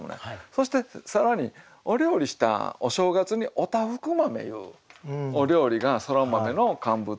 そして更にお料理したお正月にお多福豆いうお料理がそら豆の乾物を甘く